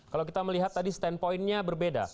kalau kita melihat tadi standpointnya berbeda